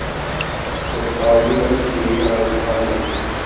Yeḍfeṛ Yuba Tiziri ɣer wexxam-nni.